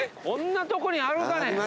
こんなとこにあるかね。